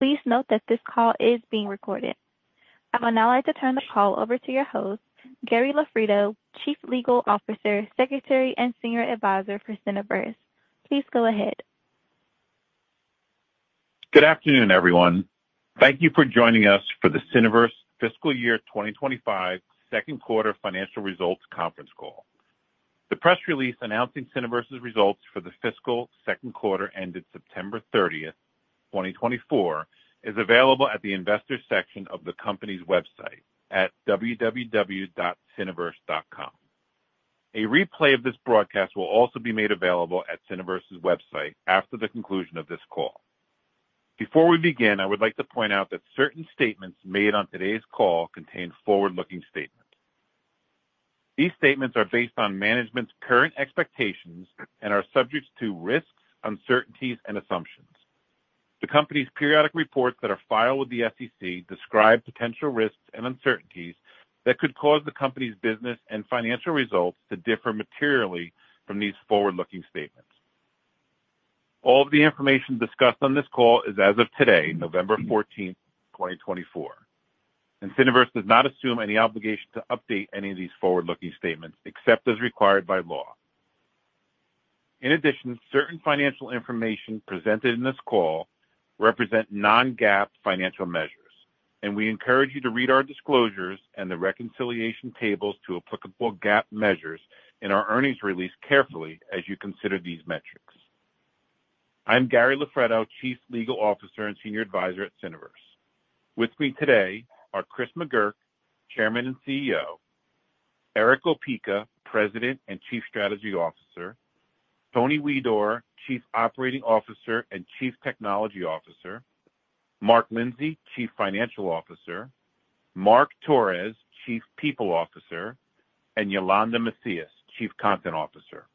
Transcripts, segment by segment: Please note that this call is being recorded. I would now like to turn the call over to your host, Gary Loffredo, Chief Legal Officer, Secretary, and Senior Advisor for Cineverse. Please go ahead. Good afternoon, everyone. Thank you for joining us for the Cineverse FY2025 Q2 Financial Results Conference Call. The press release announcing Cineverse's results for the fiscal Q2 ended September 30, 2024, is available at the investor section of the company's website at www.cineverse.com. A replay of this broadcast will also be made available at Cineverse's website after the conclusion of this call. Before we begin, I would like to point out that certain statements made on today's call contain forward-looking statements. These statements are based on management's current expectations and are subject to risks, uncertainties, and assumptions. The company's periodic reports that are filed with the SEC describe potential risks and uncertainties that could cause the company's business and financial results to differ materially from these forward-looking statements. All of the information discussed on this call is as of today, November 14, 2024, and Cineverse does not assume any obligation to update any of these forward-looking statements except as required by law. In addition, certain financial information presented in this call represent Non-GAAP financial measures, and we encourage you to read our disclosures and the reconciliation tables to applicable GAAP measures in our earnings release carefully as you consider these metrics. I'm Gary Loffredo, Chief Legal Officer and Senior Advisor at Cineverse. With me today are Chris McGurk, Chairman and CEO, Erick Opeka, President and Chief Strategy Officer, Tony Huidor, Chief Operating Officer and Chief Technology Officer, Mark Lindsey, Chief Financial Officer, Mark Torres, Chief People Officer, and Yolanda Macias, Chief Content Officer,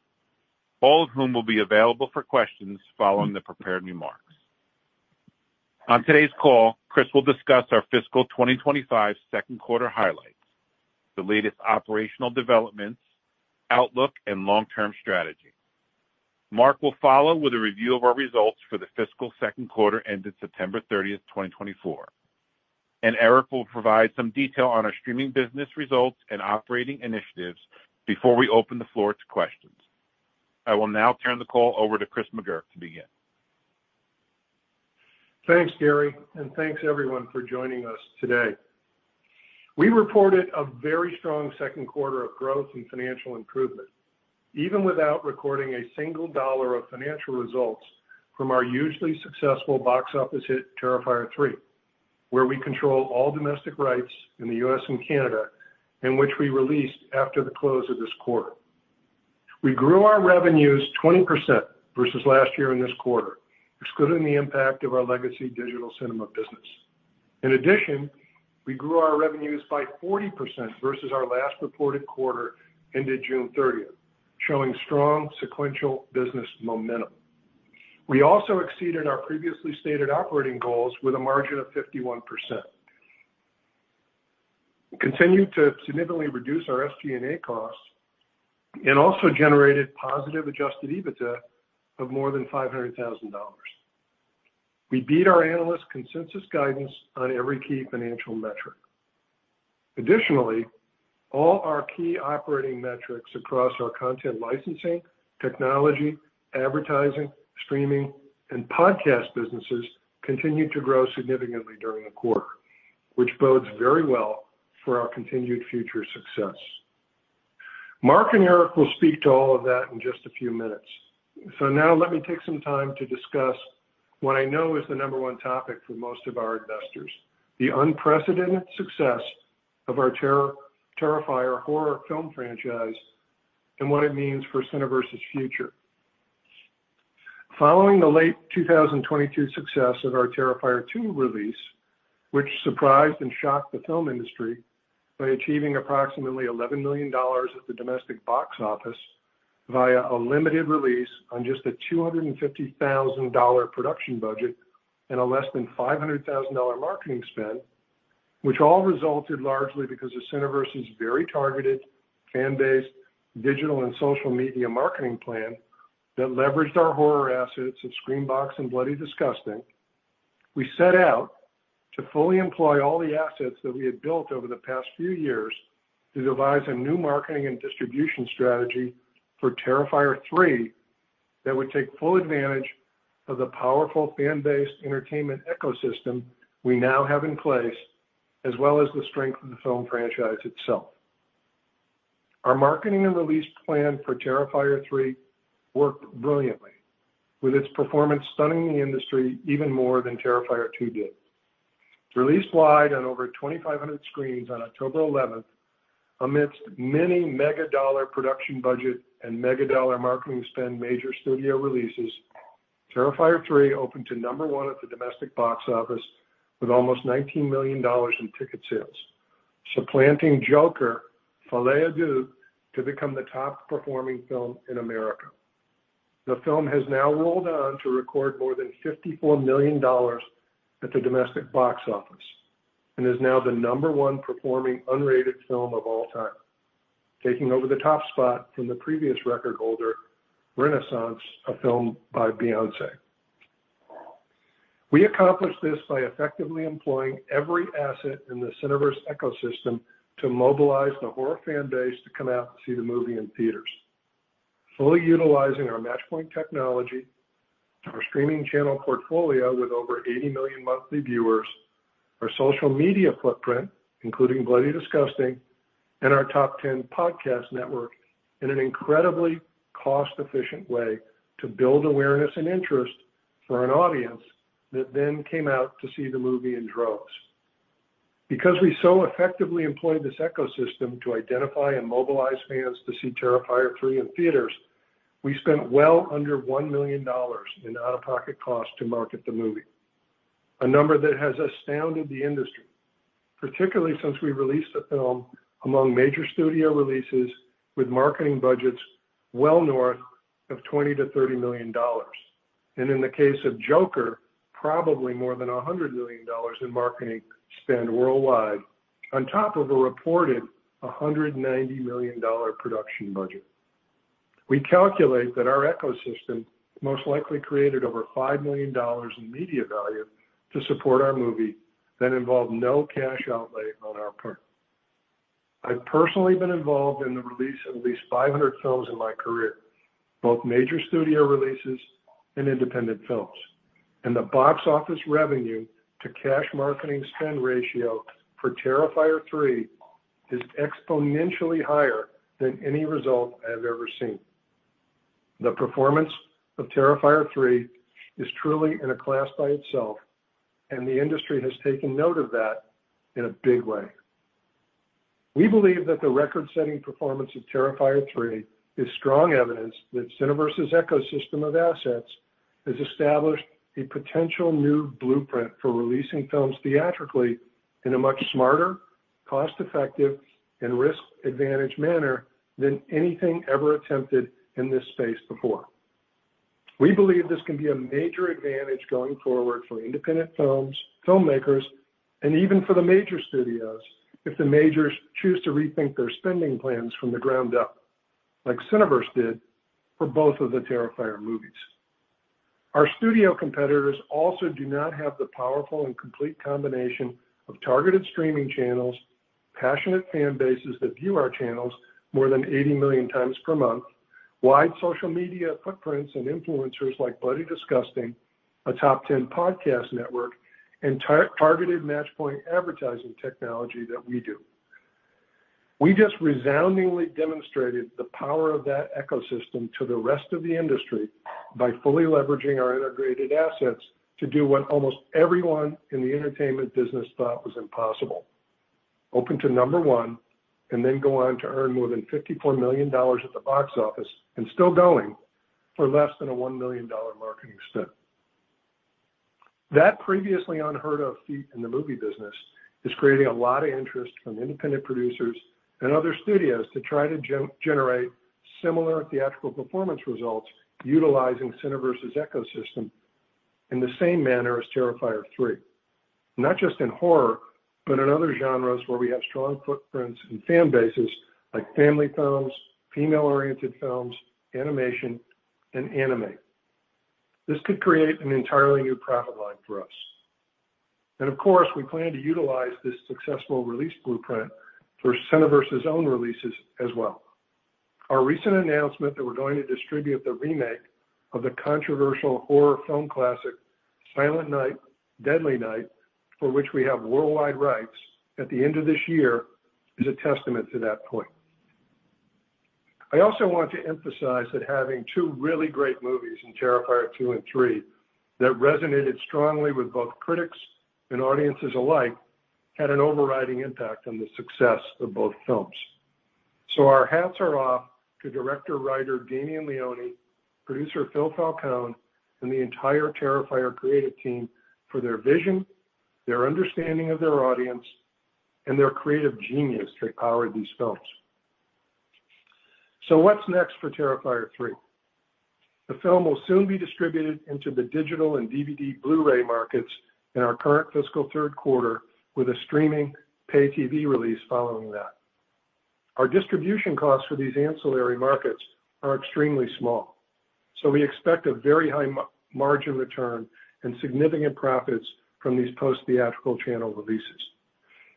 all of whom will be available for questions following the prepared remarks. On today's call, Chris will discuss our fiscal 2025 Q2 highlights, the latest operational developments, outlook, and long-term strategy. Mark will follow with a review of our results for the fiscal Q2 ended September 30, 2024, and Erick will provide some detail on our streaming business results and operating initiatives before we open the floor to questions. I will now turn the call over to Chris McGurk to begin. Thanks, Gary, and thanks, everyone, for joining us today. We reported a very strong Q2 growth and financial improvement, even without recording a single dollar of financial results from our usually successful box office hit Terrifier 3, where we control all domestic rights in the U.S. and Canada, and which we released after the close of this quarter. We grew our revenues 20% versus last year in this quarter, excluding the impact of our legacy digital cinema business. In addition, we grew our revenues by 40% versus our last reported quarter ended June 30, showing strong sequential business momentum. We also exceeded our previously stated operating goals with a margin of 51%. We continued to significantly reduce our SG&A costs and also generated positive adjusted EBITDA of more than $500,000. We beat our analyst consensus guidance on every key financial metric. Additionally, all our key operating metrics across our content licensing, technology, advertising, streaming, and podcast businesses continued to grow significantly during the quarter, which bodes very well for our continued future success. Mark and Erick will speak to all of that in just a few minutes. So now let me take some time to discuss what I know is the number one topic for most of our investors: the unprecedented success of our Terrifier horror film franchise and what it means for Cineverse's future. Following the late 2022 success of our Terrifier 2 release, which surprised and shocked the film industry by achieving approximately $11 million at the domestic box office via a limited release on just a $250,000 production budget and a less than $500,000 marketing spend, which all resulted largely because of Cineverse's very targeted fan-based digital and social media marketing plan that leveraged our horror assets of Screambox and Bloody Disgusting, we set out to fully employ all the assets that we had built over the past few years to devise a new marketing and distribution strategy for Terrifier 3 that would take full advantage of the powerful fan-based entertainment ecosystem we now have in place, as well as the strength of the film franchise itself. Our marketing and release plan for Terrifier 3 worked brilliantly, with its performance stunning the industry even more than Terrifier 2 did. Released wide on over 2,500 screens on October 11, amidst many mega-dollar production budget and mega-dollar marketing spend major studio releases, Terrifier 3 opened to number one at the domestic box office with almost $19 million in ticket sales, supplanting Joker: Folie à Deux to become the top-performing film in America. The film has now rolled on to record more than $54 million at the domestic box office and is now the number one performing unrated film of all time, taking over the top spot from the previous record holder, Renaissance: A Film by Beyoncé. We accomplished this by effectively employing every asset in the Cineverse ecosystem to mobilize the horror fan base to come out and see the movie in theaters, fully utilizing our Matchpoint technology, our streaming channel portfolio with over 80 million monthly viewers, our social media footprint, including Bloody Disgusting, and our top 10 podcast network in an incredibly cost-efficient way to build awareness and interest for an audience that then came out to see the movie in droves. Because we so effectively employed this ecosystem to identify and mobilize fans to see Terrifier 3 in theaters, we spent well under $1 million in out-of-pocket costs to market the movie, a number that has astounded the industry, particularly since we released the film among major studio releases with marketing budgets well north of $20 million-$30 million, and in the case of Joker, probably more than $100 million in marketing spend worldwide, on top of a reported $190 million production budget. We calculate that our ecosystem most likely created over $5 million in media value to support our movie that involved no cash outlay on our part. I've personally been involved in the release of at least 500 films in my career, both major studio releases and independent films, and the box office revenue to cash marketing spend ratio for Terrifier 3 is exponentially higher than any result I have ever seen. The performance of Terrifier 3 is truly in a class by itself, and the industry has taken note of that in a big way. We believe that the record-setting performance of Terrifier 3 is strong evidence that Cineverse's ecosystem of assets has established a potential new blueprint for releasing films theatrically in a much smarter, cost-effective, and risk-advantaged manner than anything ever attempted in this space before. We believe this can be a major advantage going forward for independent films, filmmakers, and even for the major studios if the majors choose to rethink their spending plans from the ground up, like Cineverse did for both of the Terrifier movies. Our studio competitors also do not have the powerful and complete combination of targeted streaming channels, passionate fan bases that view our channels more than 80 million times per month, wide social media footprints and influencers like Bloody Disgusting, a top 10 podcast network, and targeted Matchpoint advertising technology that we do. We just resoundingly demonstrated the power of that ecosystem to the rest of the industry by fully leveraging our integrated assets to do what almost everyone in the entertainment business thought was impossible: open to number one and then go on to earn more than $54 million at the box office and still going for less than a $1 million marketing spend. That previously unheard-of feat in the movie business is creating a lot of interest from independent producers and other studios to try to generate similar theatrical performance results utilizing Cineverse's ecosystem in the same manner as Terrifier 3, not just in horror, but in other genres where we have strong footprints and fan bases like family films, female-oriented films, animation, and anime. This could create an entirely new profit line for us. Of course, we plan to utilize this successful release blueprint for Cineverse's own releases as well. Our recent announcement that we're going to distribute the remake of the controversial horror film classic Silent Night, Deadly Night, for which we have worldwide rights at the end of this year, is a testament to that point. I also want to emphasize that having two really great movies in Terrifier 2 and 3 that resonated strongly with both critics and audiences alike had an overriding impact on the success of both films. Our hats are off to director/writer Damien Leone, producer Phil Falcone, and the entire Terrifier creative team for their vision, their understanding of their audience, and their creative genius that powered these films. What's next for Terrifier 3? The film will soon be distributed into the digital and DVD Blu-ray markets in our current fiscal Q3, with a streaming pay-TV release following that. Our distribution costs for these ancillary markets are extremely small, so we expect a very high margin return and significant profits from these post-theatrical channel releases.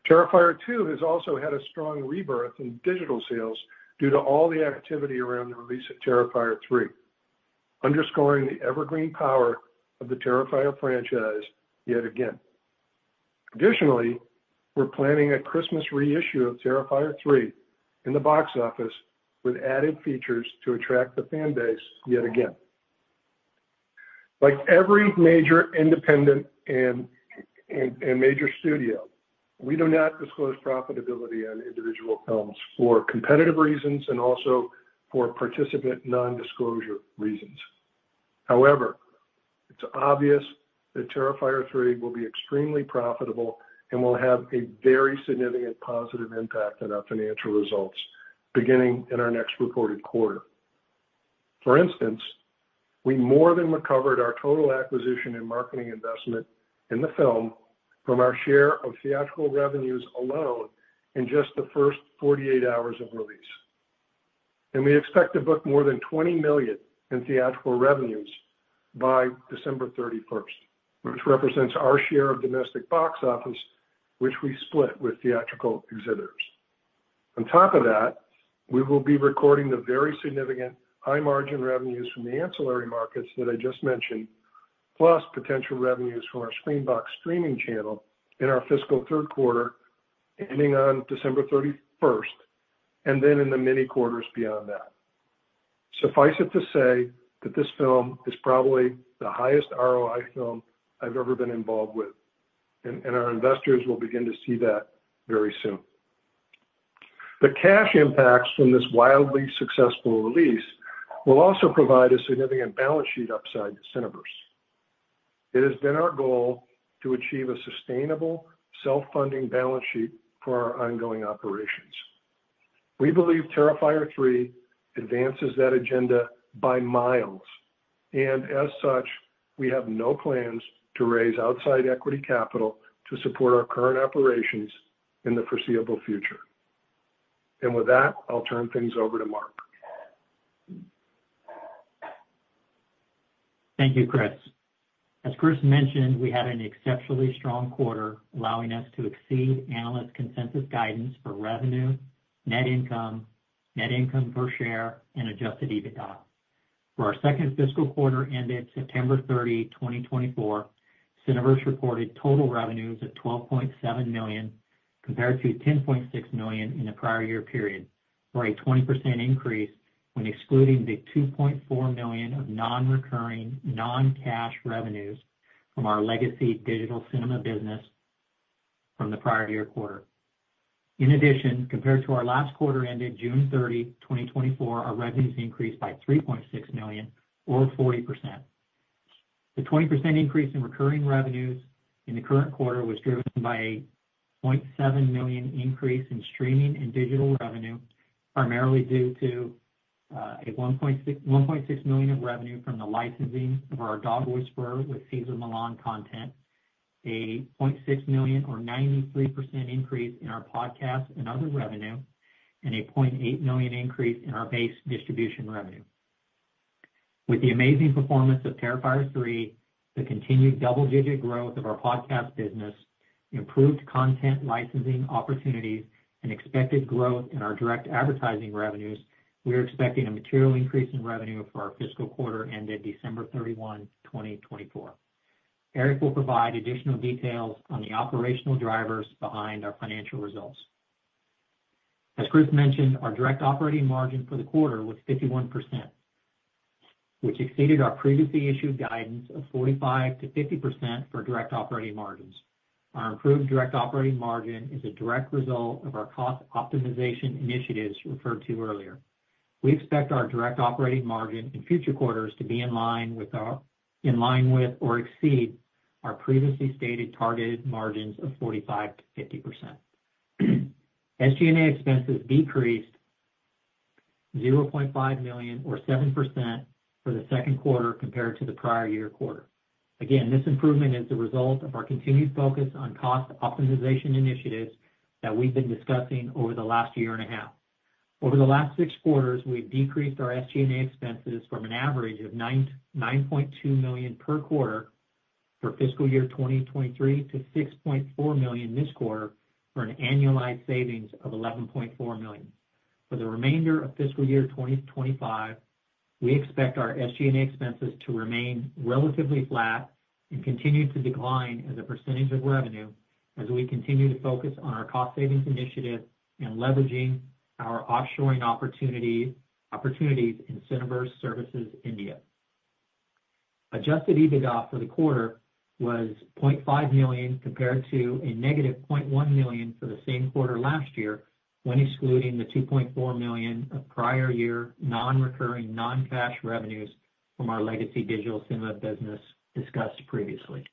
Terrifier 2 has also had a strong rebirth in digital sales due to all the activity around the release of Terrifier 3, underscoring the evergreen power of the Terrifier franchise yet again. Additionally, we're planning a Christmas reissue of Terrifier 3 in the box office with added features to attract the fan base yet again. Like every major independent and major studio, we do not disclose profitability on individual films for competitive reasons and also for participant non-disclosure reasons. However, it's obvious that Terrifier 3 will be extremely profitable and will have a very significant positive impact on our financial results beginning in our next reported quarter. For instance, we more than recovered our total acquisition and marketing investment in the film from our share of theatrical revenues alone in just the first 48 hours of release, and we expect to book more than $20 million in theatrical revenues by December 31, which represents our share of domestic box office, which we split with theatrical exhibitors. On top of that, we will be recording the very significant high-margin revenues from the ancillary markets that I just mentioned, plus potential revenues from our Screambox streaming channel in our fiscal Q3 ending on December 31 and then in the many quarters beyond that. Suffice it to say that this film is probably the highest ROI film I've ever been involved with, and our investors will begin to see that very soon. The cash impacts from this wildly successful release will also provide a significant balance sheet upside to Cineverse. It has been our goal to achieve a sustainable self-funding balance sheet for our ongoing operations. We believe Terrifier 3 advances that agenda by miles, and as such, we have no plans to raise outside equity capital to support our current operations in the foreseeable future. And with that, I'll turn things over to Mark. Thank you, Chris. As Chris mentioned, we had an exceptionally strong quarter allowing us to exceed analyst consensus guidance for revenue, net income, net income per share, and Adjusted EBITDA. For our second fiscal quarter ended September 30, 2024, Cineverse reported total revenues of $12.7 million compared to $10.6 million in the prior year period, for a 20% increase when excluding the $2.4 million of non-recurring non-cash revenues from our legacy digital cinema business from the prior year quarter. In addition, compared to our last quarter ended June 30, 2024, our revenues increased by $3.6 million, or 40%. The 20% increase in recurring revenues in the current quarter was driven by a $0.7 million increase in streaming and digital revenue, primarily due to a $1.6 million of revenue from the licensing of our Dog Whisperer with César Millán content, a $0.6 million, or 93% increase in our podcast and other revenue, and a $0.8 million increase in our base distribution revenue. With the amazing performance of Terrifier 3, the continued double-digit growth of our podcast business, improved content licensing opportunities, and expected growth in our direct advertising revenues, we are expecting a material increase in revenue for our fiscal quarter ended December 31, 2024. Erick will provide additional details on the operational drivers behind our financial results. As Chris mentioned, our direct operating margin for the quarter was 51%, which exceeded our previously issued guidance of 45%-50% for direct operating margins. Our improved direct operating margin is a direct result of our cost optimization initiatives referred to earlier. We expect our direct operating margin in future quarters to be in line with or exceed our previously stated targeted margins of 45%-50%. SG&A expenses decreased $0.5 million, or 7%, for the second quarter compared to the prior year quarter. Again, this improvement is the result of our continued focus on cost optimization initiatives that we've been discussing over the last year and a half. Over the last six quarters, we've decreased our SG&A expenses from an average of $9.2 million per quarter for fiscal year 2023 to $6.4 million this quarter for an annualized savings of $11.4 million. For the remainder of fiscal year 2025, we expect our SG&A expenses to remain relatively flat and continue to decline as a percentage of revenue as we continue to focus on our cost savings initiative and leveraging our offshoring opportunities in Cineverse Services India. Adjusted EBITDA for the quarter was $0.5 million compared to a negative $0.1 million for the same quarter last year when excluding the $2.4 million of prior year non-recurring non-cash revenues from our legacy digital cinema business discussed previously.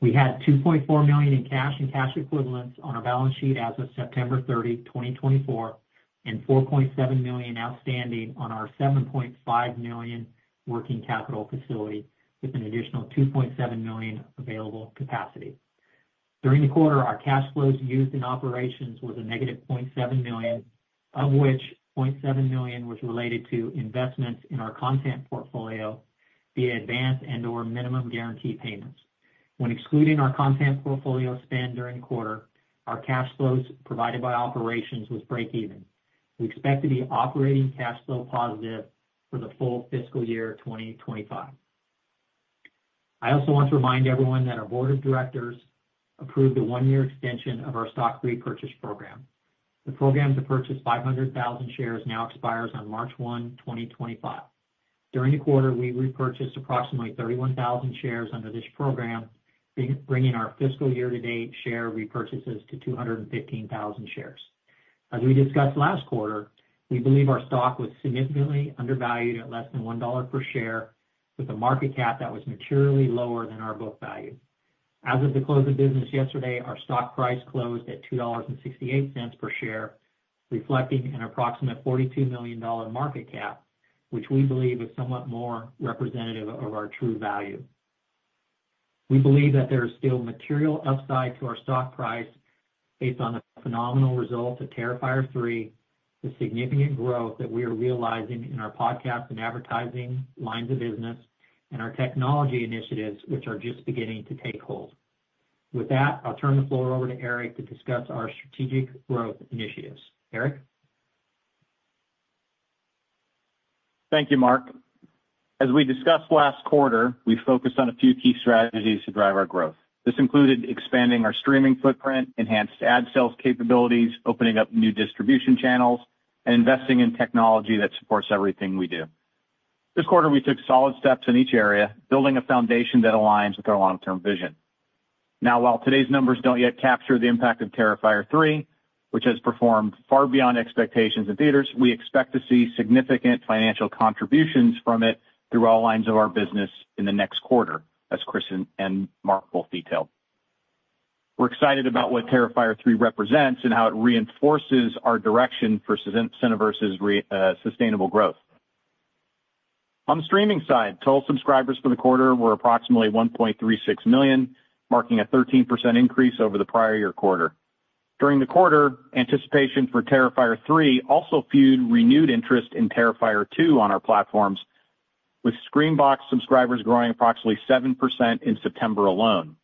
We had $2.4 million in cash and cash equivalents on our balance sheet as of September 30, 2024, and $4.7 million outstanding on our $7.5 million working capital facility with an additional $2.7 million available capacity. During the quarter, our cash flows used in operations was a negative $0.7 million, of which $0.7 million was related to investments in our content portfolio via advance and/or minimum guarantee payments. When excluding our content portfolio spend during the quarter, our cash flows provided by operations was break-even. We expect to be operating cash flow positive for the full fiscal year 2025. I also want to remind everyone that our board of directors approved a one-year extension of our stock repurchase program. The program to purchase 500,000 shares now expires on March 1, 2025. During the quarter, we repurchased approximately 31,000 shares under this program, bringing our fiscal year-to-date share repurchases to 215,000 shares. As we discussed last quarter, we believe our stock was significantly undervalued at less than $1 per share, with a market cap that was materially lower than our book value. As of the close of business yesterday, our stock price closed at $2.68 per share, reflecting an approximate $42 million market cap, which we believe is somewhat more representative of our true value. We believe that there is still material upside to our stock price based on the phenomenal results of Terrifier 3, the significant growth that we are realizing in our podcast and advertising lines of business, and our technology initiatives, which are just beginning to take hold. With that, I'll turn the floor over to Erick to discuss our strategic growth initiatives. Erick? Thank you, Mark. As we discussed last quarter, we focused on a few key strategies to drive our growth. This included expanding our streaming footprint, enhanced ad sales capabilities, opening up new distribution channels, and investing in technology that supports everything we do. This quarter, we took solid steps in each area, building a foundation that aligns with our long-term vision. Now, while today's numbers don't yet capture the impact of Terrifier 3, which has performed far beyond expectations in theaters, we expect to see significant financial contributions from it through all lines of our business in the next quarter, as Chris and Mark both detailed. We're excited about what Terrifier 3 represents and how it reinforces our direction for Cineverse's sustainable growth. On the streaming side, total subscribers for the quarter were approximately 1.36 million, marking a 13% increase over the prior year quarter. During the quarter, anticipation for Terrifier 3 also fueled renewed interest in Terrifier 2 on our platforms, with Screambox subscribers growing approximately 7% in September alone.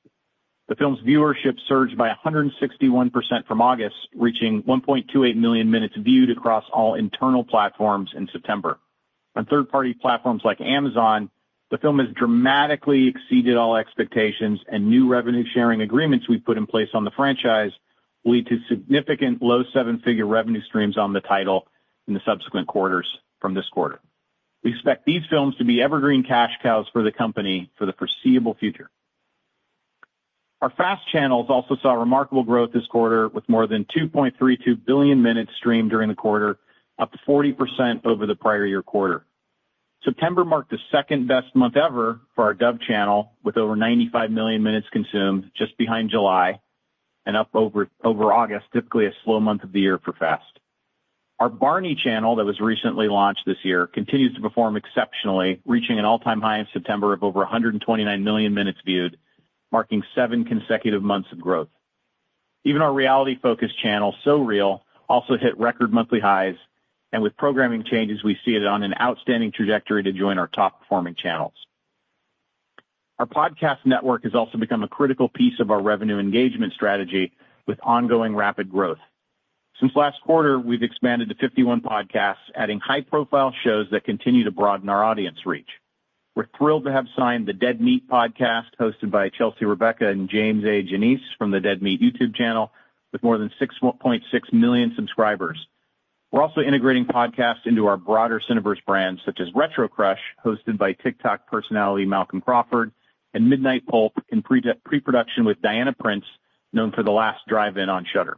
The film's viewership surged by 161% from August, reaching 1.28 million minutes viewed across all internal platforms in September. On third-party platforms like Amazon, the film has dramatically exceeded all expectations, and new revenue-sharing agreements we've put in place on the franchise will lead to significant low seven-figure revenue streams on the title in the subsequent quarters from this quarter. We expect these films to be evergreen cash cows for the company for the foreseeable future. Our FAST channels also saw remarkable growth this quarter, with more than 2.32 billion minutes streamed during the quarter, up 40% over the prior year quarter. September marked the second-best month ever for our Dove Channel, with over 95 million minutes consumed, just behind July and up over August, typically a slow month of the year for FAST. Our Barney channel that was recently launched this year continues to perform exceptionally, reaching an all-time high in September of over 129 million minutes viewed, marking seven consecutive months of growth. Even our reality-focused channel, So...Real, also hit record monthly highs, and with programming changes, we see it on an outstanding trajectory to join our top-performing channels. Our podcast network has also become a critical piece of our revenue engagement strategy, with ongoing rapid growth. Since last quarter, we've expanded to 51 podcasts, adding high-profile shows that continue to broaden our audience reach. We're thrilled to have signed the Dead Meat podcast, hosted by Chelsea Rebecca and James A. Janisse. Janisse from the Dead Meat YouTube channel, with more than 6.6 million subscribers. We're also integrating podcasts into our broader Cineverse brand, such as RetroCrush, hosted by TikTok personality Malcolm Crawford, and Midnight Pulp in pre-production with Diana Prince, known for The Last Drive-In on Shudder.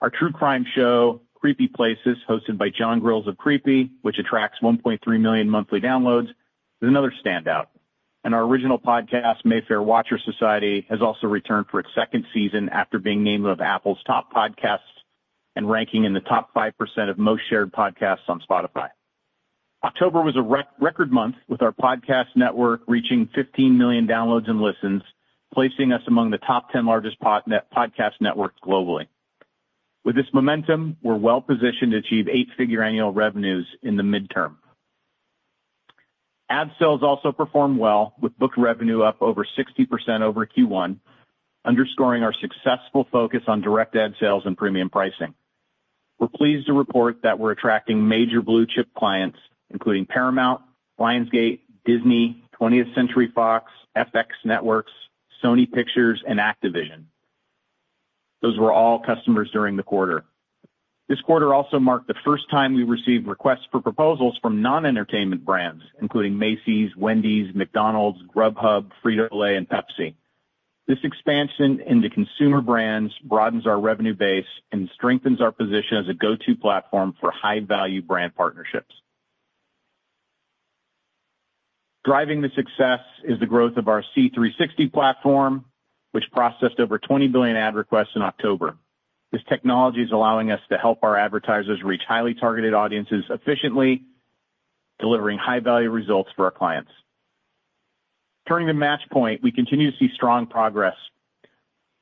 Our true crime show, Creepy Places, hosted by John Grills of Creepy, which attracts 1.3 million monthly downloads, is another standout. Our original podcast, Mayfair Watcher Society, has also returned for its second season after being named one of Apple's top podcasts and ranking in the top 5% of most shared podcasts on Spotify. October was a record month, with our podcast network reaching 15 million downloads and listens, placing us among the top 10 largest podcast networks globally. With this momentum, we're well-positioned to achieve eight-figure annual revenues in the midterm. Ad sales also performed well, with book revenue up over 60% over Q1, underscoring our successful focus on direct ad sales and premium pricing. We're pleased to report that we're attracting major blue-chip clients, including Paramount, Lionsgate, Disney, 20th Century Fox, FX Networks, Sony Pictures, and Activision. Those were all customers during the quarter. This quarter also marked the first time we received requests for proposals from non-entertainment brands, including Macy's, Wendy's, McDonald's, Grubhub, Frito-Lay, and Pepsi. This expansion into consumer brands broadens our revenue base and strengthens our position as a go-to platform for high-value brand partnerships. Driving the success is the growth of our C360 platform, which processed over 20 billion ad requests in October. This technology is allowing us to help our advertisers reach highly targeted audiences efficiently, delivering high-value results for our clients. Turning to Matchpoint, we continue to see strong progress.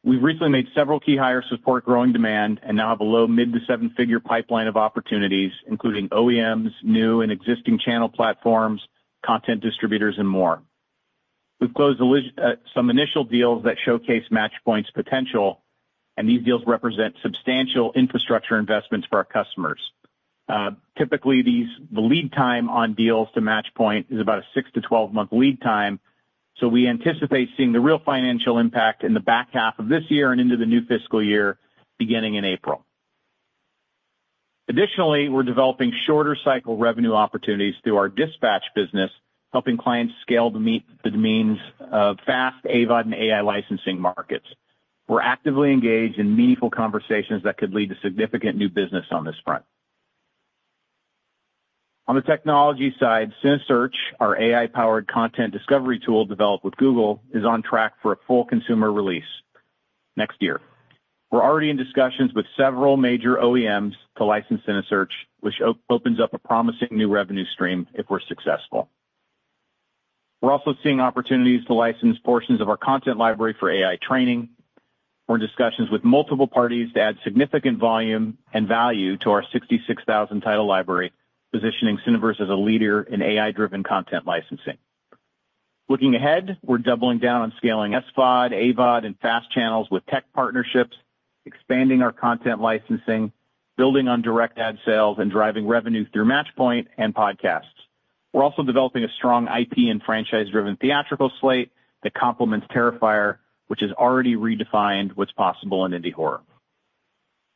We've recently made several key hires support growing demand and now have a low- to mid-seven-figure pipeline of opportunities, including OEMs, new and existing channel platforms, content distributors, and more. We've closed some initial deals that showcase Matchpoint's potential, and these deals represent substantial infrastructure investments for our customers. Typically, the lead time on deals to Matchpoint is about a 6-month to 12-month lead time, so we anticipate seeing the real financial impact in the back half of this year and into the new fiscal year beginning in April. Additionally, we're developing shorter-cycle revenue opportunities through our Dispatch business, helping clients scale to meet the demands of FAST, AVOD, and AI licensing markets. We're actively engaged in meaningful conversations that could lead to significant new business on this front. On the technology side, cineSearch, our AI-powered content discovery tool developed with Google, is on track for a full consumer release next year. We're already in discussions with several major OEMs to license cineSearch, which opens up a promising new revenue stream if we're successful. We're also seeing opportunities to license portions of our content library for AI training. We're in discussions with multiple parties to add significant volume and value to our 66,000-title library, positioning Cineverse as a leader in AI-driven content licensing. Looking ahead, we're doubling down on scaling SVOD, AVOD, and FAST channels with tech partnerships, expanding our content licensing, building on direct ad sales, and driving revenue through Matchpoint and podcasts. We're also developing a strong IP and franchise-driven theatrical slate that complements Terrifier, which has already redefined what's possible in indie horror.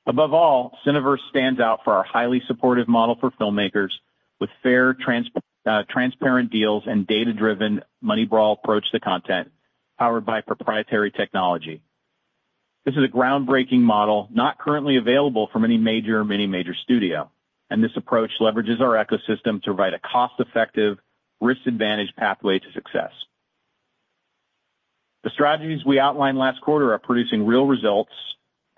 Above all, Cineverse stands out for our highly supportive model for filmmakers, with fair, transparent deals and data-driven, Moneyball approach to content powered by proprietary technology. This is a groundbreaking model not currently available from any major or mini-major studio, and this approach leverages our ecosystem to provide a cost-effective, risk-advantaged pathway to success. The strategies we outlined last quarter are producing real results,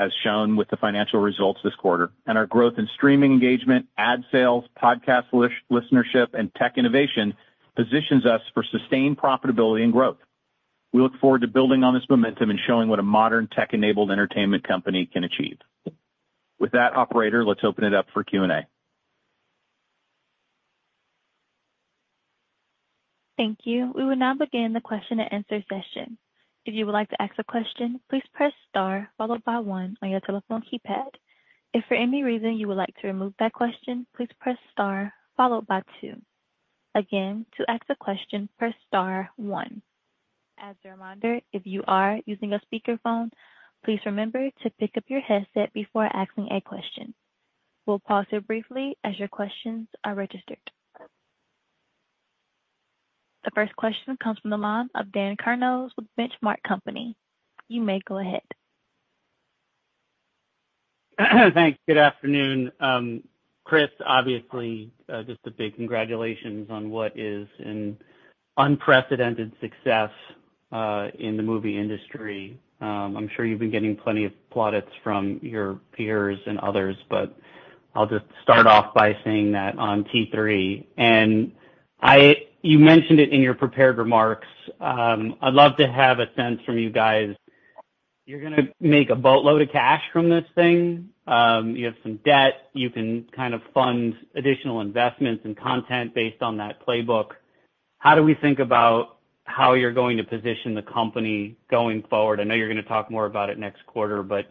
as shown with the financial results this quarter, and our growth in streaming engagement, ad sales, podcast listenership, and tech innovation positions us for sustained profitability and growth. We look forward to building on this momentum and showing what a modern tech-enabled entertainment company can achieve. With that, operator, let's open it up for Q&A. Thank you. We will now begin the question-and-answer session. If you would like to ask a question, please press star followed by one on your telephone keypad. If for any reason you would like to remove that question, please press star followed by two. Again, to ask a question, press star one. As a reminder, if you are using a speakerphone, please remember to pick up your headset before asking a question. We'll pause here briefly as your questions are registered. The first question comes from Dan Kurnos with The Benchmark Company. You may go ahead. Thanks. Good afternoon. Chris, obviously, just a big congratulations on what is an unprecedented success in the movie industry. I'm sure you've been getting plenty of plaudits from your peers and others, but I'll just start off by saying that on Terrifier 3. And you mentioned it in your prepared remarks. I'd love to have a sense from you guys. You're going to make a boatload of cash from this thing. You have some debt. You can kind of fund additional investments and content based on that playbook. How do we think about how you're going to position the company going forward? I know you're going to talk more about it next quarter, but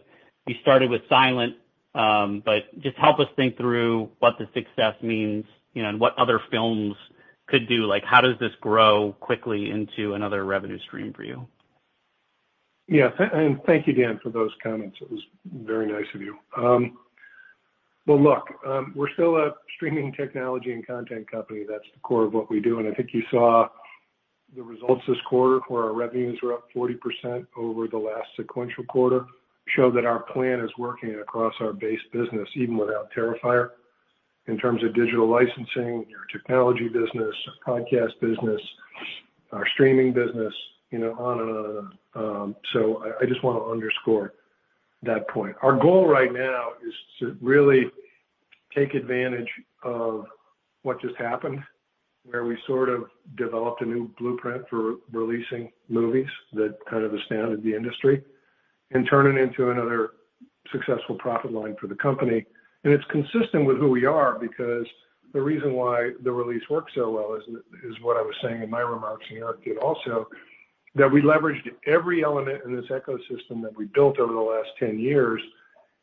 you started with Silent Night. But just help us think through what the success means and what other films could do. How does this grow quickly into another revenue stream for you? Yeah. And thank you, Dan, for those comments. It was very nice of you. Well, look, we're still a streaming technology and content company. That's the core of what we do. And I think you saw the results this quarter where our revenues were up 40% over the last sequential quarter, show that our plan is working across our base business, even without Terrifier, in terms of digital licensing, our technology business, our podcast business, our streaming business, on and on and on. So I just want to underscore that point. Our goal right now is to really take advantage of what just happened, where we sort of developed a new blueprint for releasing movies that kind of astounded the industry, and turn it into another successful profit line for the company. It's consistent with who we are because the reason why the release worked so well is what I was saying in my remarks and yours did also, that we leveraged every element in this ecosystem that we built over the last 10 years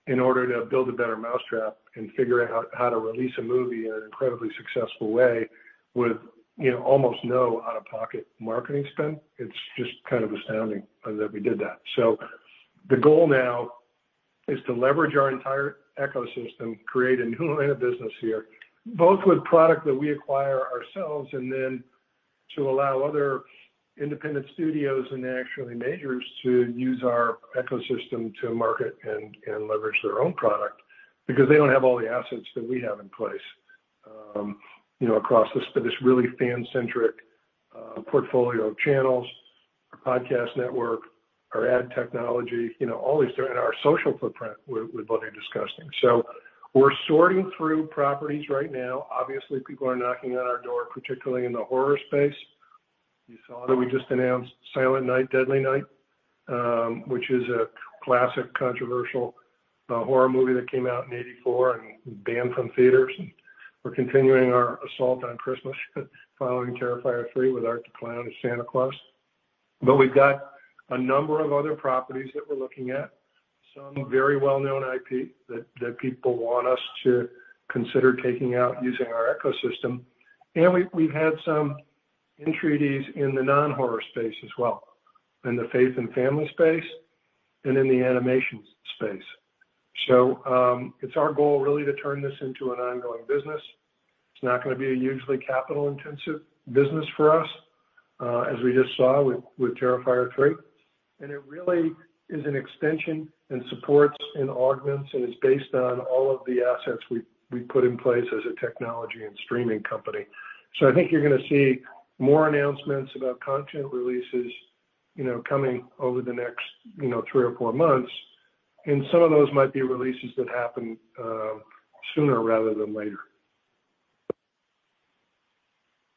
in order to build a better mousetrap and figure out how to release a movie in an incredibly successful way with almost no out-of-pocket marketing spend. It's just kind of astounding that we did that. So the goal now is to leverage our entire ecosystem, create a new line of business here, both with product that we acquire ourselves and then to allow other independent studios and actually majors to use our ecosystem to market and leverage their own product because they don't have all the assets that we have in place across this really fan-centric portfolio of channels, our podcast network, our ad technology, all these things, and our social footprint Bloody Disgusting. So we're sorting through properties right now. Obviously, people are knocking on our door, particularly in the horror space. You saw that we just announced Silent Night, Deadly Night, which is a classic, controversial horror movie that came out in 1984 and banned from theaters. And we're continuing our assault on Christmas following Terrifier 3 with Art the Clown and Santa Claus. But we've got a number of other properties that we're looking at, some very well-known IP that people want us to consider taking out using our ecosystem. And we've had some entities in the non-horror space as well, in the faith and family space, and in the animation space. So it's our goal really to turn this into an ongoing business. It's not going to be a hugely capital-intensive business for us, as we just saw with Terrifier 3. And it really is an extension and supports and augments and is based on all of the assets we put in place as a technology and streaming company. So I think you're going to see more announcements about content releases coming over the next three or four months. And some of those might be releases that happen sooner rather than later.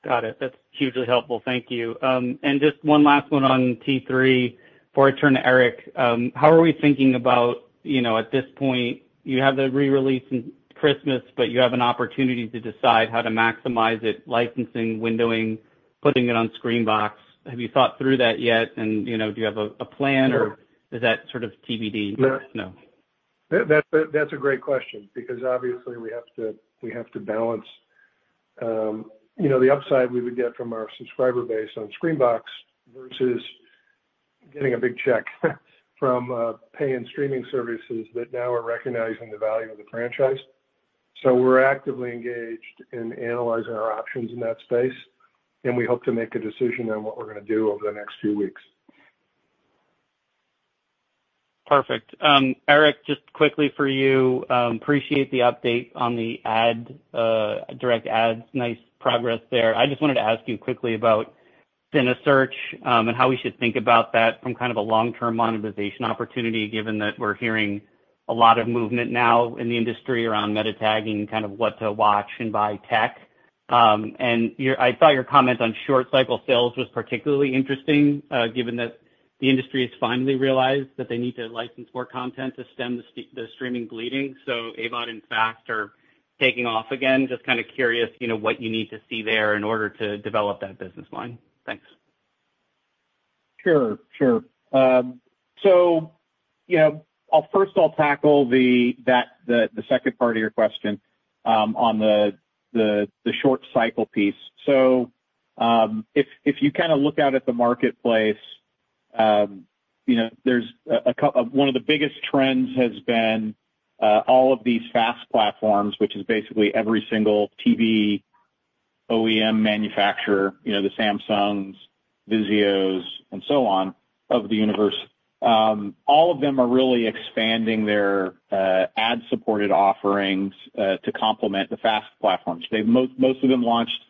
Got it. That's hugely helpful. Thank you. And just one last one on T3. Before I turn to Erick, how are we thinking about at this point, you have the re-release in Christmas, but you have an opportunity to decide how to maximize it, licensing, windowing, putting it on Screambox. Have you thought through that yet? And do you have a plan, or is that sort of TBD? That's a great question because, obviously, we have to balance the upside we would get from our subscriber base on Screambox versus getting a big check from paying streaming services that now are recognizing the value of the franchise, so we're actively engaged in analyzing our options in that space, and we hope to make a decision on what we're going to do over the next few weeks. Perfect. Erick, just quickly for you, appreciate the update on the direct ads. Nice progress there. I just wanted to ask you quickly about cineSearch and how we should think about that from kind of a long-term monetization opportunity, given that we're hearing a lot of movement now in the industry around meta tagging and kind of what to watch and buy tech, and I thought your comment on short-cycle sales was particularly interesting, given that the industry has finally realized that they need to license more content to stem the streaming bleeding, so AVOD and FAST are taking off again. Just kind of curious what you need to see there in order to develop that business line. Thanks. Sure. Sure. So first, I'll tackle the second part of your question on the short-cycle piece. So if you kind of look out at the marketplace, one of the biggest trends has been all of these FAST platforms, which is basically every single TV OEM manufacturer, the Samsungs, VIZIOs, and so on of the universe. All of them are really expanding their ad-supported offerings to complement the FAST platforms. Most of them launched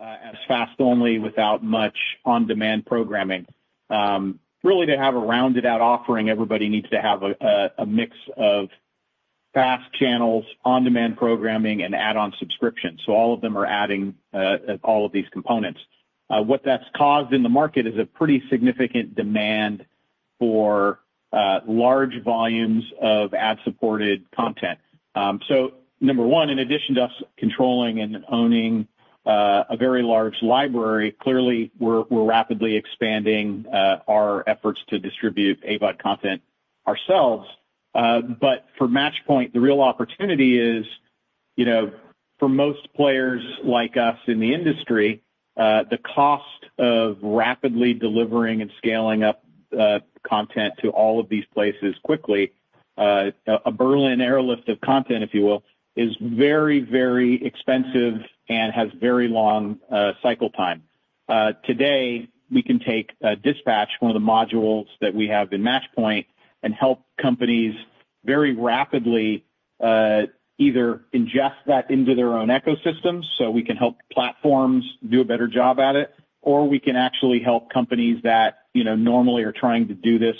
as FAST only without much on-demand programming. Really, to have a rounded-out offering, everybody needs to have a mix of FAST channels, on-demand programming, and add-on subscriptions. So all of them are adding all of these components. What that's caused in the market is a pretty significant demand for large volumes of ad-supported content. So number one, in addition to us controlling and owning a very large library, clearly, we're rapidly expanding our efforts to distribute AVOD content ourselves. But for Matchpoint, the real opportunity is for most players like us in the industry, the cost of rapidly delivering and scaling up content to all of these places quickly, a Berlin Airlift of content, if you will, is very, very expensive and has very long cycle time. Today, we can take Dispatch, one of the modules that we have in Matchpoint, and help companies very rapidly either ingest that into their own ecosystem so we can help platforms do a better job at it, or we can actually help companies that normally are trying to do this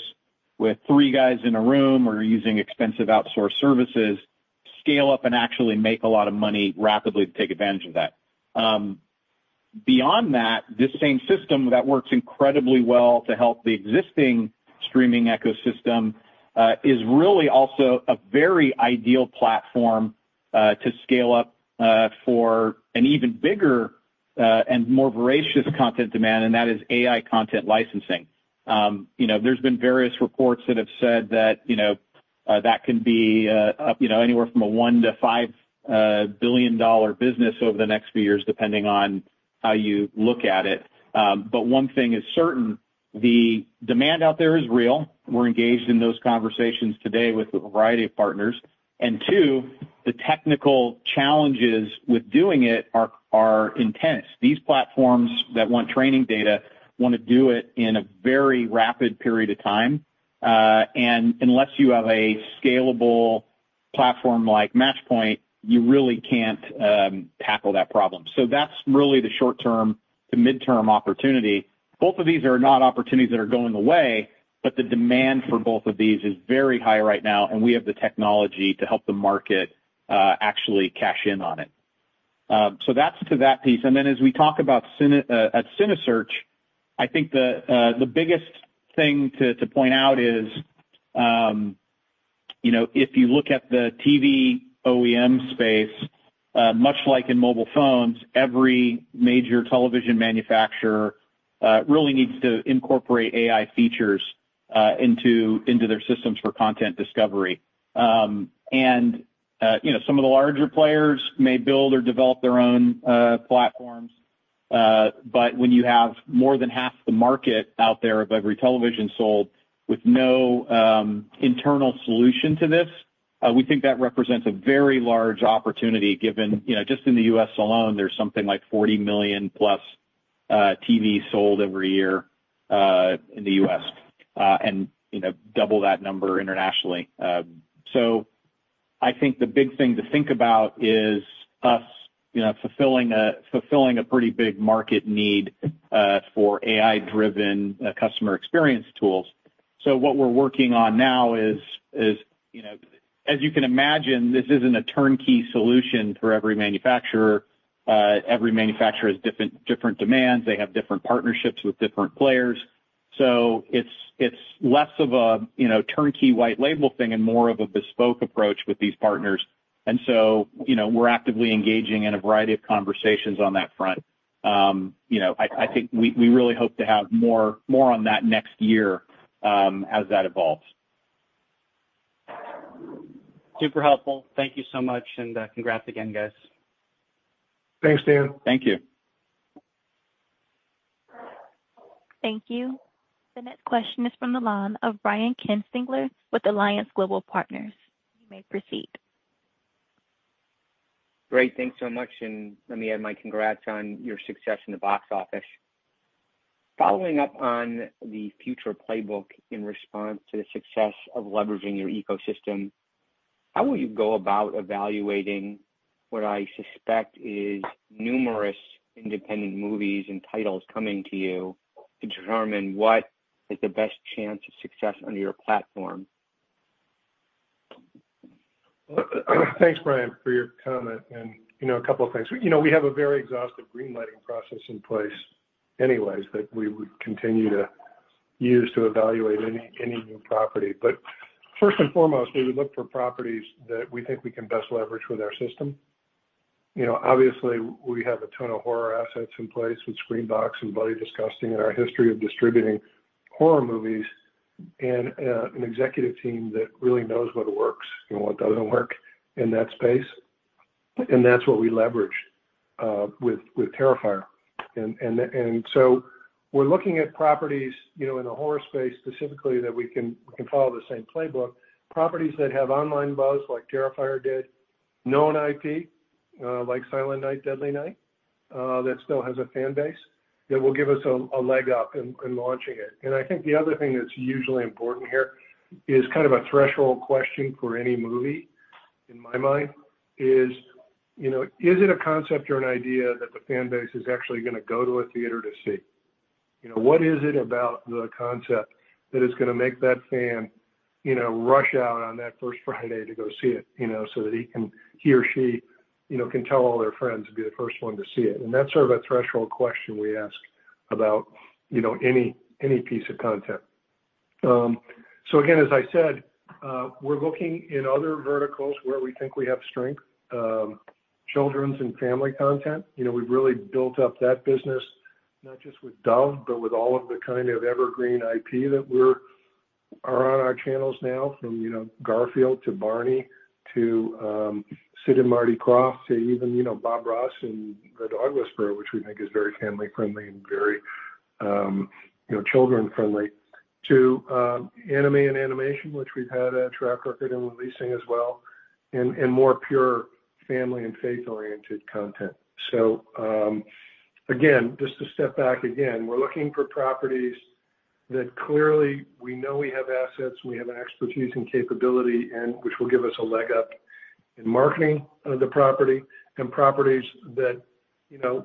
with three guys in a room or using expensive outsource services scale up and actually make a lot of money rapidly to take advantage of that. Beyond that, this same system that works incredibly well to help the existing streaming ecosystem is really also a very ideal platform to scale up for an even bigger and more voracious content demand, and that is AI content licensing. There's been various reports that have said that that can be anywhere from a $1 billion-$5 billion business over the next few years, depending on how you look at it. But one thing is certain. The demand out there is real. We're engaged in those conversations today with a variety of partners, and two, the technical challenges with doing it are intense. These platforms that want training data want to do it in a very rapid period of time. And unless you have a scalable platform like Matchpoint, you really can't tackle that problem, so that's really the short-term to midterm opportunity. Both of these are not opportunities that are going away, but the demand for both of these is very high right now, and we have the technology to help the market actually cash in on it. So that's to that piece, and then as we talk about cineSearch, I think the biggest thing to point out is if you look at the TV OEM space, much like in mobile phones, every major television manufacturer really needs to incorporate AI features into their systems for content discovery, and some of the larger players may build or develop their own platforms. But when you have more than half the market out there of every television sold with no internal solution to this, we think that represents a very large opportunity given just in the U.S. alone, there's something like 40 million-plus TVs sold every year in the U.S. and double that number internationally. So I think the big thing to think about is us fulfilling a pretty big market need for AI-driven customer experience tools. So what we're working on now is, as you can imagine, this isn't a turnkey solution for every manufacturer. Every manufacturer has different demands. They have different partnerships with different players. So it's less of a turnkey white label thing and more of a bespoke approach with these partners. And so we're actively engaging in a variety of conversations on that front. I think we really hope to have more on that next year as that evolves. Super helpful. Thank you so much. And congrats again, guys. Thanks, Dan. Thank you. Thank you. The next question is from the line of Brian Kinstlinger with Alliance Global Partners. You may proceed. Great. Thanks so much, and let me add my congrats on your success in the box office. Following up on the future playbook in response to the success of leveraging your ecosystem, how will you go about evaluating what I suspect is numerous independent movies and titles coming to you to determine what is the best chance of success under your platform? Thanks, Brian, for your comment. And a couple of things. We have a very exhaustive greenlighting process in place anyways that we would continue to use to evaluate any new property. But first and foremost, we would look for properties that we think we can best leverage with our system. Obviously, we have a ton of horror assets in place with Screambox and Bloody Disgusting in our history of distributing horror movies and an executive team that really knows what works and what doesn't work in that space. And that's what we leverage with Terrifier. And so we're looking at properties in the horror space specifically that we can follow the same playbook, properties that have online buzz like Terrifier did, known IP like Silent Night, Deadly Night that still has a fan base that will give us a leg up in launching it. And I think the other thing that's usually important here is kind of a threshold question for any movie, in my mind, is it a concept or an idea that the fan base is actually going to go to a theater to see? What is it about the concept that is going to make that fan rush out on that first Friday to go see it so that he or she can tell all their friends and be the first one to see it? And that's sort of a threshold question we ask about any piece of content. So again, as I said, we're looking in other verticals where we think we have strength, children's and family content. We've really built up that business, not just with Dove, but with all of the kind of evergreen IP that are on our channels now from Garfield to Barney to Sid and Marty Krofft to even Bob Ross and The Dog Whisperer, which we think is very family-friendly and very children-friendly, to anime and animation, which we've had a track record in releasing as well, and more pure family and faith-oriented content. So again, just to step back again, we're looking for properties that clearly we know we have assets, we have expertise and capability, which will give us a leg up in marketing of the property, and properties that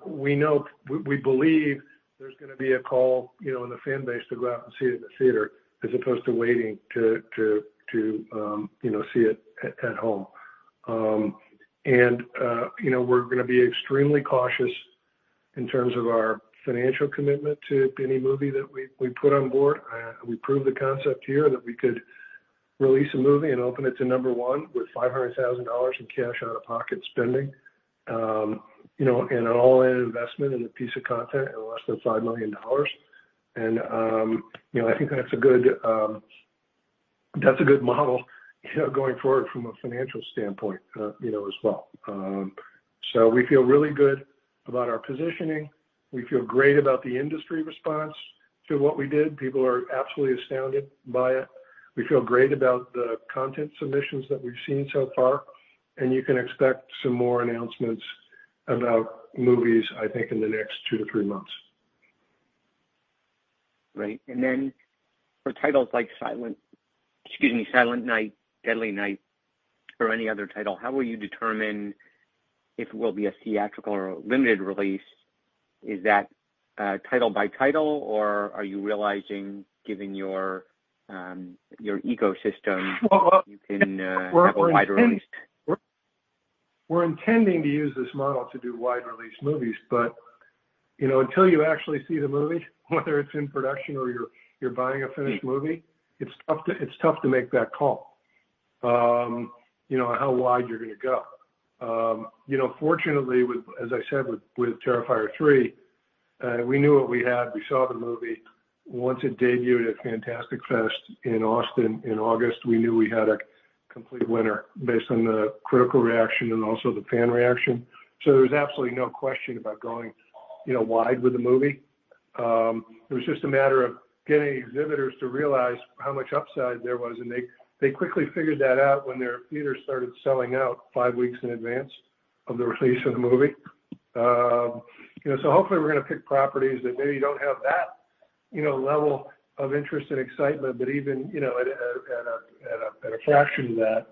we know we believe there's going to be a call in the fan base to go out and see it in the theater as opposed to waiting to see it at home. And we're going to be extremely cautious in terms of our financial commitment to any movie that we put on board. We proved the concept here that we could release a movie and open it to number one with $500,000 in cash out-of-pocket spending and an all-in investment in a piece of content and less than $5 million. And I think that's a good model going forward from a financial standpoint as well. So we feel really good about our positioning. We feel great about the industry response to what we did. People are absolutely astounded by it. We feel great about the content submissions that we've seen so far. And you can expect some more announcements about movies, I think, in the next two to three months. Great, and then for titles like Silent Night, Deadly Night or any other title, how will you determine if it will be a theatrical or limited release? Is that title by title, or are you realizing, given your ecosystem, you can have a wide release? We're intending to use this model to do wide-release movies, but until you actually see the movie, whether it's in production or you're buying a finished movie, it's tough to make that call, how wide you're going to go. Fortunately, as I said, with Terrifier 3, we knew what we had. We saw the movie. Once it debuted at Fantastic Fest in Austin in August, we knew we had a complete winner based on the critical reaction and also the fan reaction, so there was absolutely no question about going wide with the movie. It was just a matter of getting exhibitors to realize how much upside there was, and they quickly figured that out when their theaters started selling out five weeks in advance of the release of the movie. So hopefully, we're going to pick properties that maybe don't have that level of interest and excitement, but even at a fraction of that,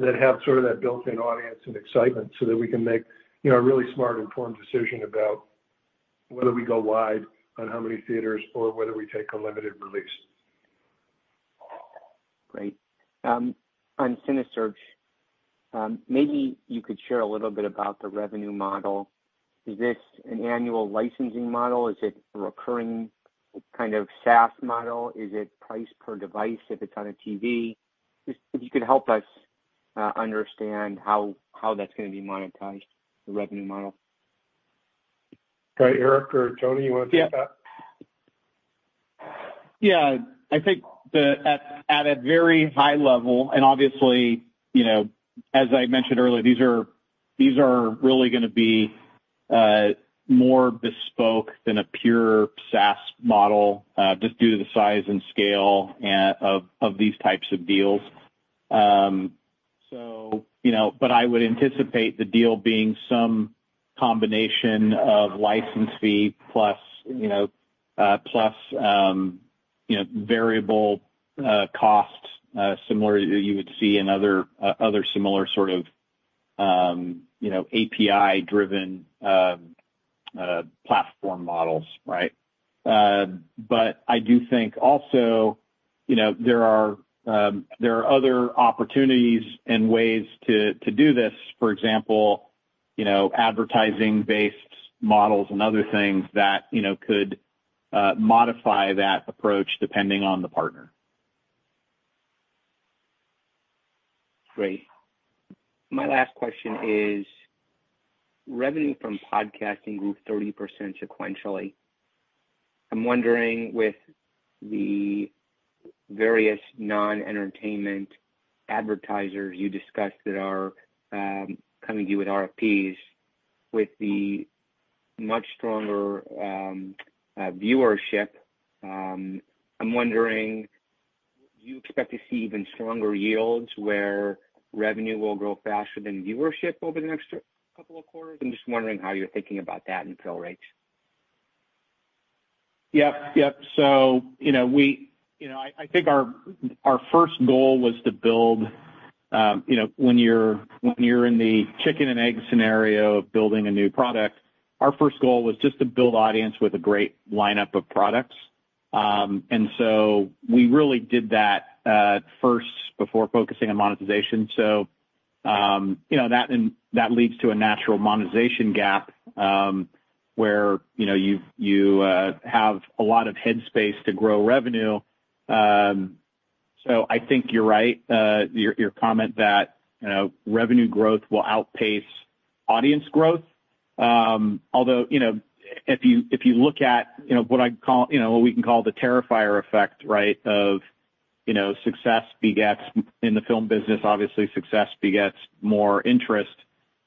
that have sort of that built-in audience and excitement so that we can make a really smart and informed decision about whether we go wide on how many theaters or whether we take a limited release. Great. On cineSearch, maybe you could share a little bit about the revenue model. Is this an annual licensing model? Is it a recurring kind of SaaS model? Is it price per device if it's on a TV? If you could help us understand how that's going to be monetized, the revenue model. All right. Erick or Tony, you want to take that? Yeah. I think at a very high level, and obviously, as I mentioned earlier, these are really going to be more bespoke than a pure SaaS model just due to the size and scale of these types of deals. But I would anticipate the deal being some combination of license fee plus variable costs, similar to what you would see in other similar sort of API-driven platform models, right? But I do think also there are other opportunities and ways to do this, for example, advertising-based models and other things that could modify that approach depending on the partner. Great. My last question is revenue from podcasting grew 30% sequentially. I'm wondering, with the various non-entertainment advertisers you discussed that are coming to you with RFPs, with the much stronger viewership, I'm wondering, do you expect to see even stronger yields where revenue will grow faster than viewership over the next couple of quarters? I'm just wondering how you're thinking about that and fill rates? Yep. Yep. So I think our first goal was to build when you're in the chicken-and-egg scenario of building a new product, our first goal was just to build audience with a great lineup of products. And so we really did that first before focusing on monetization. So that leads to a natural monetization gap where you have a lot of headspace to grow revenue. So I think you're right, your comment that revenue growth will outpace audience growth. Although if you look at what I call what we can call the Terrifier effect, right, of success begets in the film business, obviously, success begets more interest.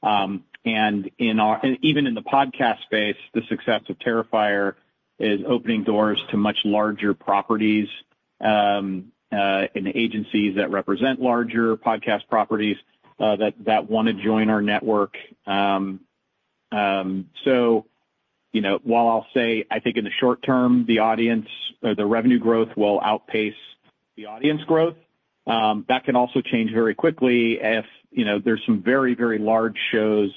And even in the podcast space, the success of Terrifier is opening doors to much larger properties and agencies that represent larger podcast properties that want to join our network. So while I'll say I think in the short term, the revenue growth will outpace the audience growth, that can also change very quickly if there's some very, very large shows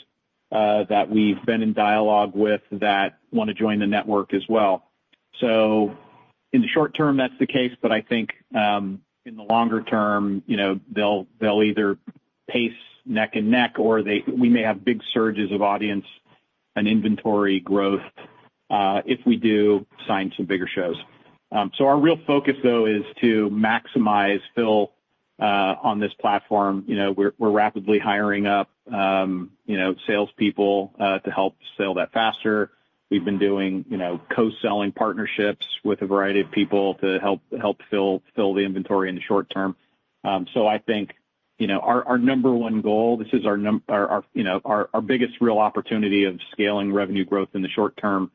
that we've been in dialogue with that want to join the network as well. So in the short term, that's the case. But I think in the longer term, they'll either pace neck and neck, or we may have big surges of audience and inventory growth if we do sign some bigger shows. So our real focus, though, is to maximize fill on this platform. We're rapidly hiring up salespeople to help sell that faster. We've been doing co-selling partnerships with a variety of people to help fill the inventory in the short term. So I think our number one goal, this is our biggest real opportunity of scaling revenue growth in the short term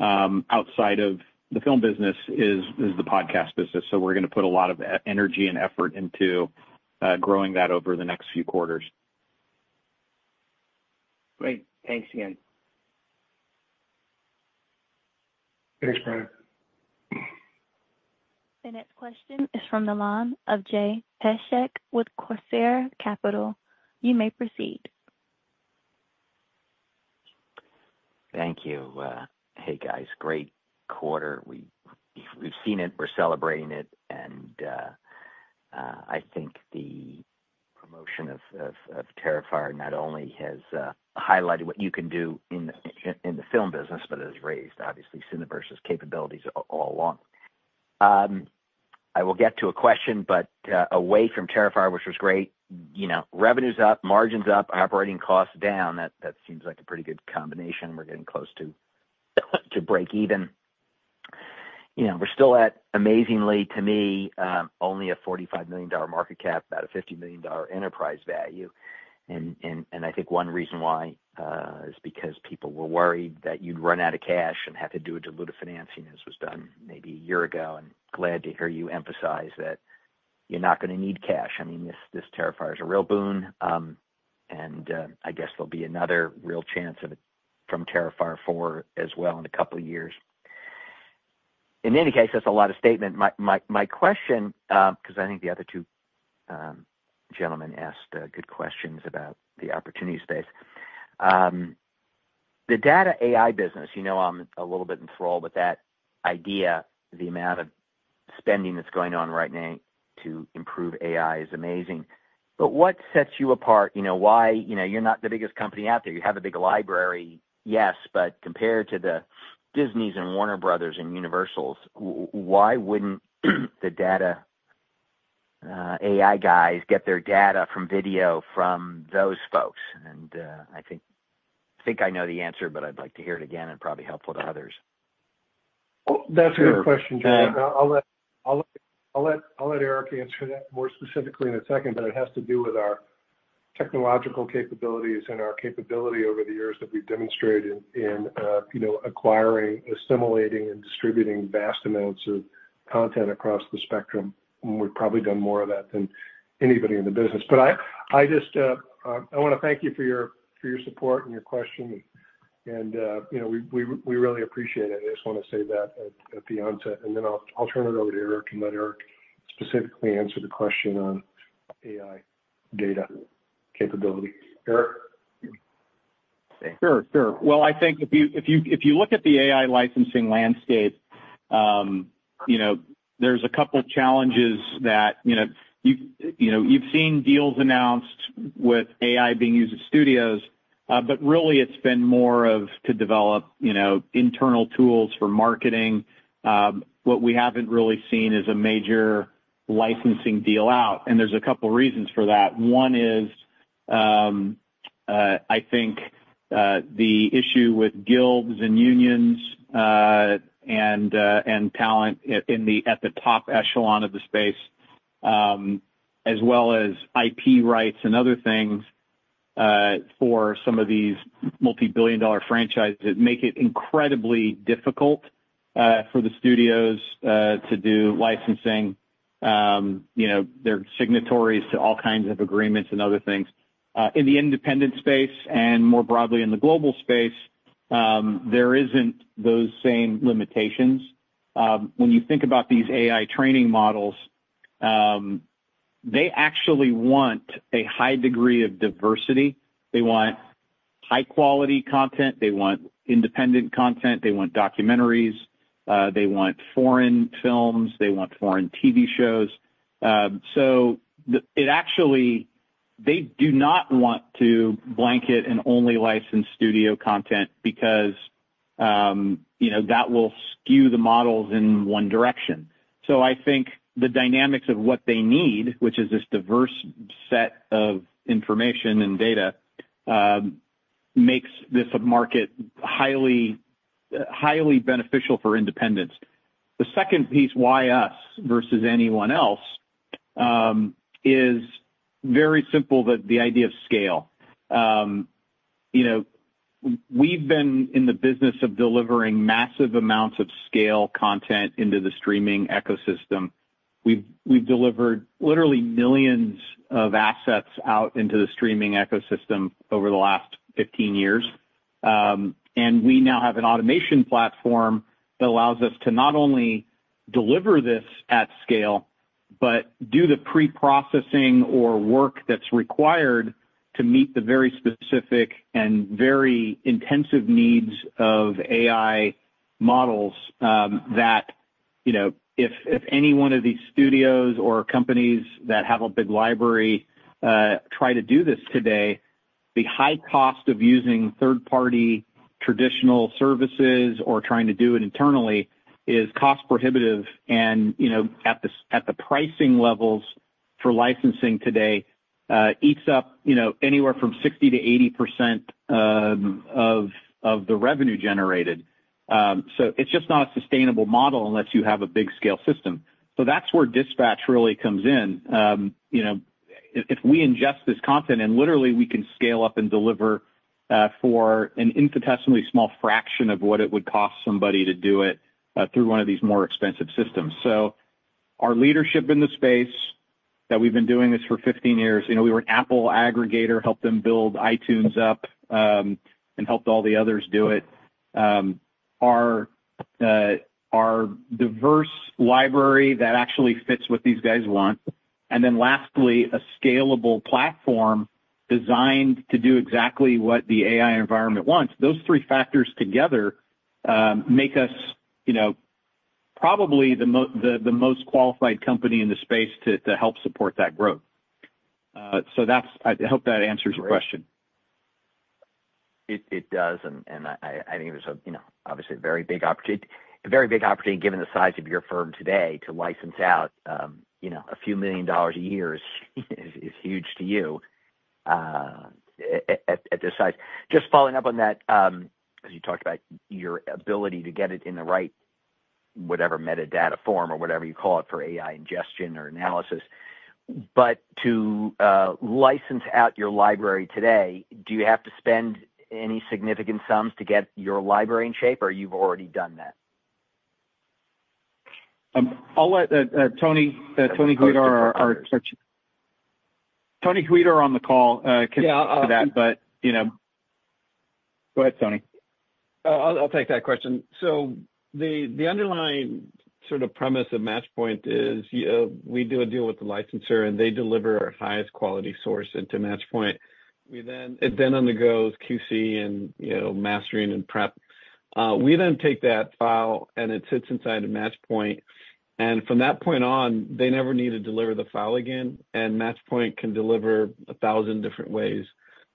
outside of the film business, is the podcast business. So we're going to put a lot of energy and effort into growing that over the next few quarters. Great. Thanks again. Thanks, Brian. The next question is from the line of Jay Petschek with Corsair Capital. You may proceed. Thank you. Hey, guys. Great quarter. We've seen it. We're celebrating it. And I think the promotion of Terrifier not only has highlighted what you can do in the film business, but has raised, obviously, Cineverse's capabilities all along. I will get to a question, but away from Terrifier, which was great, revenues up, margins up, operating costs down, that seems like a pretty good combination. We're getting close to break even. We're still at, amazingly to me, only a $45 million market cap, about a $50 million enterprise value. And I think one reason why is because people were worried that you'd run out of cash and have to do a diluted financing, as was done maybe a year ago. And glad to hear you emphasize that you're not going to need cash. I mean, this Terrifier is a real boon. And I guess there'll be another real chance from Terrifier 4 as well in a couple of years. In any case, that's a lot of statement. My question, because I think the other two gentlemen asked good questions about the opportunity space, the data AI business, I'm a little bit enthralled with that idea, the amount of spending that's going on right now to improve AI is amazing. But what sets you apart? Why? You're not the biggest company out there. You have a big library, yes, but compared to the Disneys and Warner Bros. and Universals, why wouldn't the data AI guys get their data from video from those folks? And I think I know the answer, but I'd like to hear it again and probably helpful to others. That's a good question, Jay. I'll let Erick answer that more specifically in a second, but it has to do with our technological capabilities and our capability over the years that we've demonstrated in acquiring, assimilating, and distributing vast amounts of content across the spectrum. We've probably done more of that than anybody in the business. I want to thank you for your support and your question. We really appreciate it. I just want to say that at the onset. Then I'll turn it over to Erick and let Erick specifically answer the question on AI data capability. Erick. Sure. Sure. Well, I think if you look at the AI licensing landscape, there's a couple of challenges that you've seen deals announced with AI being used in studios, but really, it's been more of to develop internal tools for marketing. What we haven't really seen is a major licensing deal out. And there's a couple of reasons for that. One is, I think, the issue with guilds and unions and talent at the top echelon of the space, as well as IP rights and other things for some of these multi-billion-dollar franchises that make it incredibly difficult for the studios to do licensing. There are signatories to all kinds of agreements and other things. In the independent space and more broadly in the global space, there aren't those same limitations. When you think about these AI training models, they actually want a high degree of diversity. They want high-quality content. They want independent content. They want documentaries. They want foreign films. They want foreign TV shows. So they do not want to blanket and only license studio content because that will skew the models in one direction. So I think the dynamics of what they need, which is this diverse set of information and data, makes this a market highly beneficial for independents. The second piece, why us versus anyone else, is very simple, the idea of scale. We've been in the business of delivering massive amounts of scale content into the streaming ecosystem. We've delivered literally millions of assets out into the streaming ecosystem over the last 15 years. We now have an automation platform that allows us to not only deliver this at scale, but do the pre-processing or work that's required to meet the very specific and very intensive needs of AI models that if any one of these studios or companies that have a big library try to do this today, the high cost of using third-party traditional services or trying to do it internally is cost-prohibitive. At the pricing levels for licensing today, it eats up anywhere from 60%-80% of the revenue generated. It's just not a sustainable model unless you have a big-scale system. That's where Dispatch really comes in. If we ingest this content and literally we can scale up and deliver for an infinitesimally small fraction of what it would cost somebody to do it through one of these more expensive systems. So our leadership in the space that we've been doing this for 15 years, we were an Apple aggregator, helped them build iTunes up, and helped all the others do it. Our diverse library that actually fits what these guys want. And then lastly, a scalable platform designed to do exactly what the AI environment wants. Those three factors together make us probably the most qualified company in the space to help support that growth. So I hope that answers your question. It does, and I think there's obviously a very big opportunity given the size of your firm today to license out a few million dollars a year, which is huge to you at this size. Just following up on that, because you talked about your ability to get it in the right, whatever, metadata form or whatever you call it for AI ingestion or analysis, but to license out your library today, do you have to spend any significant sums to get your library in shape, or you've already done that? I'll let Tony Huidor on the call. Tony Huidor on the call can answer that, but. Go ahead, Tony. I'll take that question. So the underlying sort of premise of Matchpoint is we do a deal with the licensor, and they deliver our highest quality source into Matchpoint. It then undergoes QC and mastering and prep. We then take that file, and it sits inside of Matchpoint. And from that point on, they never need to deliver the file again. And Matchpoint can deliver 1,000 different ways.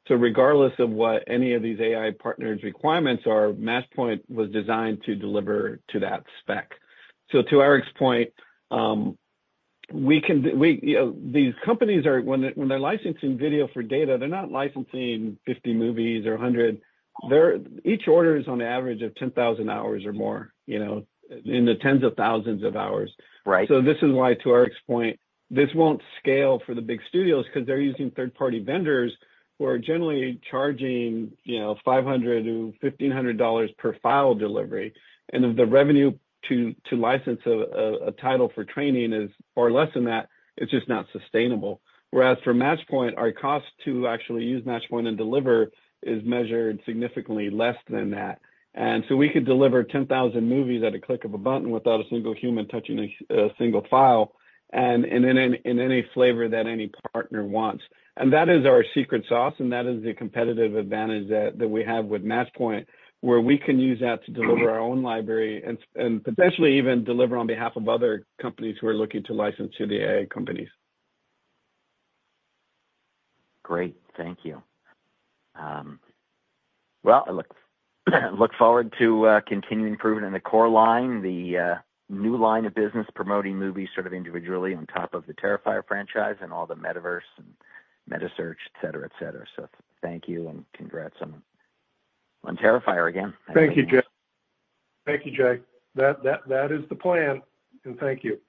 So regardless of what any of these AI partners' requirements are, Matchpoint was designed to deliver to that spec. So to Erick's point, these companies, when they're licensing video for data, they're not licensing 50 movies or 100. Each order is on average of 10,000 hours or more, in the tens of thousands of hours. So this is why, to Erick's point, this won't scale for the big studios because they're using third-party vendors who are generally charging $500-$1,500 per file delivery. And if the revenue to license a title for training is far less than that, it's just not sustainable. Whereas for Matchpoint, our cost to actually use Matchpoint and deliver is measured significantly less than that. And so we could deliver 10,000 movies at a click of a button without a single human touching a single file and in any flavor that any partner wants. And that is our secret sauce, and that is the competitive advantage that we have with Matchpoint, where we can use that to deliver our own library and potentially even deliver on behalf of other companies who are looking to license to the AI companies. Great. Thank you. I look forward to continuing improvement in the core line, the new line of business promoting movies sort of individually on top of the Terrifier franchise and all the Cineverse and cineSearch, etc., etc. So thank you and congrats on Terrifier again. Thank you, Jay. That is the plan. And thank you.